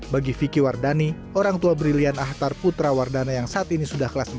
bagi vicky wardhani orangtua brilian ahtar putra wardhana yang saat ini sudah kelas empat